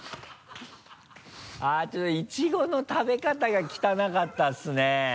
あぁちょっとイチゴの食べ方が汚かったですね。